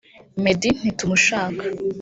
Meddy ntitumushaka